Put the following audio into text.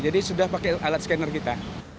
jadi sudah pakai alat scanner kita